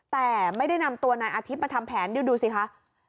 แต่ไม่ได้นำตัวนายอาทิตย์มาทำแผนดูสิคะ